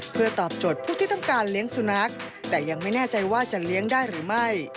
เพื่อตอบโจทย์ผู้ที่ต้องการเลี้ยงสุนัขแต่ยังไม่แน่ใจว่าจะเลี้ยงได้หรือไม่